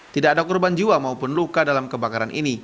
tidak ada korban jiwa maupun luka dalam kebakaran ini